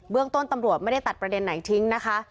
เรื่องต้นตำรวจไม่ได้ตัดประเด็นไหนทิ้งนะคะ